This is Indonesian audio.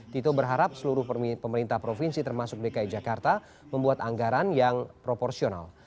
tito berharap seluruh pemerintah provinsi termasuk dki jakarta membuat anggaran yang proporsional